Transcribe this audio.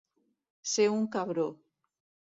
Ser un cabró.